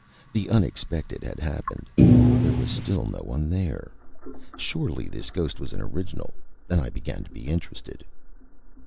The unexpected had happened. There was still no one there. Surely this ghost was an original, and I began to be interested.